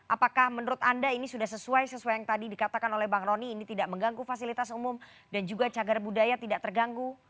apakah menurut anda ini sudah sesuai sesuai yang tadi dikatakan oleh bang roni ini tidak mengganggu fasilitas umum dan juga cagar budaya tidak terganggu